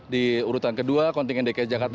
di urutan kedua kontingen dki jakarta